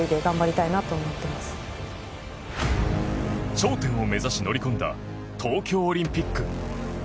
頂点を目指し乗り込んだ東京オリンピック。